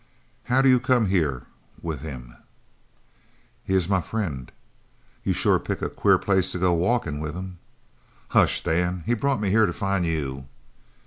"How do you come here with him?" "He is my friend!" "You sure pick a queer place to go walkin' with him." "Hush, Dan! He brought me here to find you!"